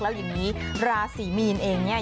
แล้วอย่างนี้ราศีมีนเองเนี่ย